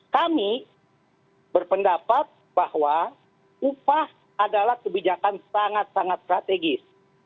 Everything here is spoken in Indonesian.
kami berpendapat bahwa upah adalah kebijakan sangat sangat strategis